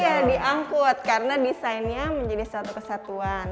iya diangkut karena desainnya menjadi satu kesatuan